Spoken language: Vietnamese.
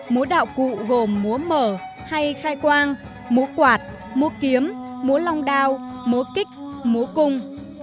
mố đạo cụ gồm mố mở hay khai quang mố quạt mố kiếm mố long đao mố kích mố cung